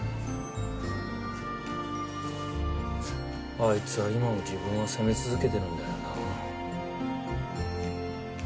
あいつは今も自分を責め続けてるんだよな。